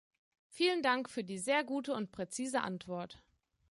Vielen Dank für die sehr gute und präzise Antwort.